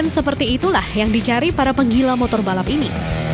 seperti itulah yang dicari para penggila motor balap ini